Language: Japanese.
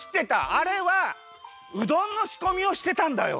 あれはうどんのしこみをしてたんだよ。